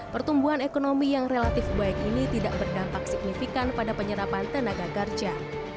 pertumbuhan ekonomi yang relatif baik ini tidak berdampak signifikan pada penyerapan tenaga kerja